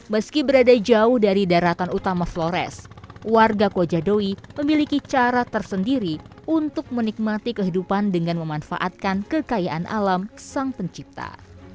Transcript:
meski berada jauh dari daratan utama flores warga kojadoi memiliki cara tersendiri untuk menikmati kehidupan dengan memanfaatkan kekayaan alam sang pencipta